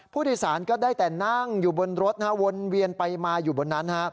ผู้โดยสารก็ได้แต่นั่งอยู่บนรถวนเวียนไปมาอยู่บนนั้น